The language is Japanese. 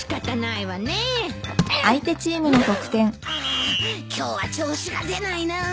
あ今日は調子が出ないなあ。